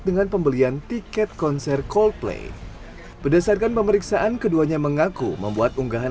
dengan pembelian tiket konser coldplay berdasarkan pemeriksaan keduanya mengaku membuat unggahan